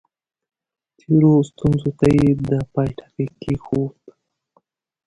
تېرو ستونزو ته یې د پای ټکی کېښود.